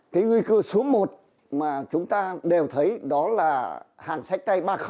cái nguy cư số một mà chúng ta đều thấy đó là hàng xích tay ba